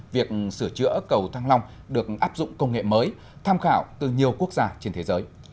việc sửa chữa cầu thăng long được áp dụng công nghệ mới tham khảo từ nhiều quốc gia trên thế giới